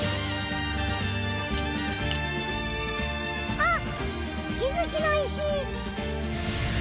あ⁉きづきのいし！